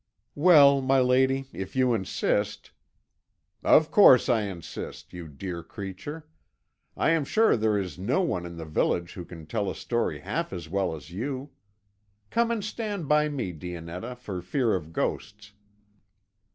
"Well, my lady, if you insist " "Of course I insist, you dear creature. I am sure there is no one in the village who can tell a story half as well as you. Come and stand by me, Dionetta, for fear of ghosts."